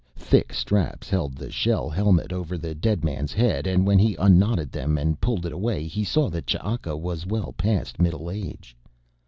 Thick straps held the shell helmet over the dead man's head and when he unknotted them and pulled it away he saw that Ch'aka was well past middle age.